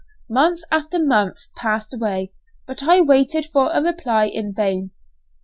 Month after month passed away, but I waited for a reply in vain.